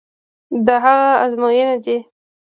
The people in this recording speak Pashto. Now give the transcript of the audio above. د هغه ازموینې دي.